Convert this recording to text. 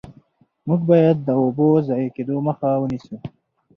موږ باید د اوبو ضایع کیدو مخه ونیسو.